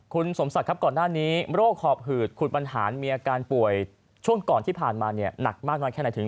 คุณสมศักดิ์ครับก่อนหน้านี้โรคหอบหืดขุดปัญหามีอาการป่วยช่วงก่อนที่ผ่านมาเนี่ยหนักมากน้อยแค่ไหนถึง